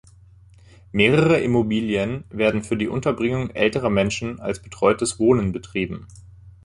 Mehrere Immobilien werden für die Unterbringung älterer Menschen als betreutes Wohnen betrieben.